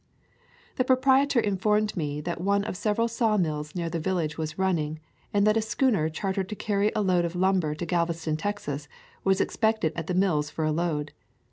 The proprietor informed me that one of sev eral sawmills near the village was running, and that a schooner chartered to carry a load of lumber to Galveston, Texas, was expected at the mills for a load.